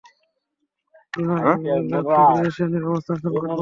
Nodal ফিব্রিলিয়াশনের অবস্থা সংকটাপন্ন!